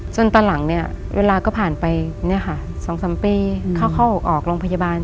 ตอนหลังเนี่ยเวลาก็ผ่านไป๒๓ปีเข้าออกโรงพยาบาล